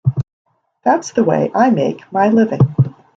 That's the way I make my living.